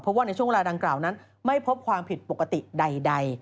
เพราะว่าในช่วงเวลาดังกล่าวนั้นไม่พบความผิดปกติใด